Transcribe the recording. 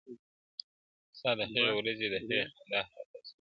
ستا د هغې ورځې، د هغې خندا، هغه تاثير~